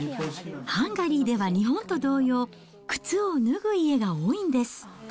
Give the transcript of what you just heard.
ハンガリーでは日本と同様、靴を脱ぐ家が多いんです。